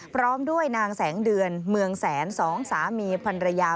พร้อมด้วยนางแสงเดือนเมืองแสนสองสามีพันรยา